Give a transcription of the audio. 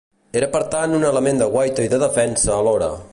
Era per tant un element de guaita i de defensa alhora.